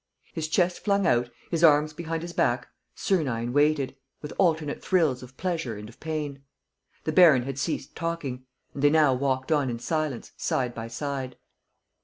His chest flung out, his arms behind his back, Sernine waited, with alternate thrills of pleasure and of pain. The baron had ceased talking; and they now walked on in silence, side by side.